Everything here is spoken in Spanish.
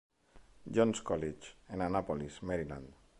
John's College en Annapolis, Maryland.